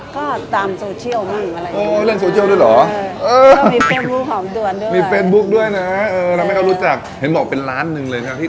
ก็ตามโซเชียลมั้งอะไรอย่างนี้